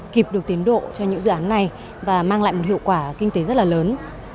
kịp được tiến độ cho những dự án này và mang lại một hiệu quả kinh tế rất là lớn